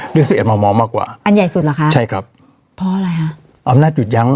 สิบเอ็ดมามองมากกว่าอันใหญ่สุดเหรอคะใช่ครับเพราะอะไรฮะอำนาจหยุดยั้ง